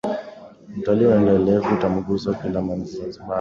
Utalii endelevu utamgusa kila Mzanzibari